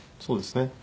そうですね。